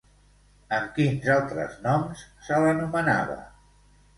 Amb quins altres noms se l'anomenava?